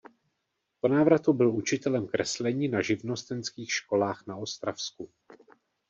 Po návratu byl učitelem kreslení na živnostenských školách na Ostravsku.